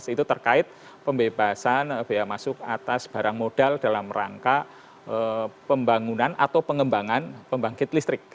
itu terkait pembebasan biaya masuk atas barang modal dalam rangka pembangunan atau pengembangan pembangkit listrik